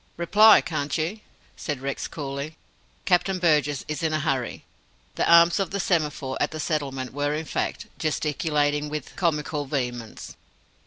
"Reply, can't you?" said Rex coolly. "Captain Burgess is in a hurry." The arms of the semaphore at the settlement were, in fact, gesticulating with comical vehemence.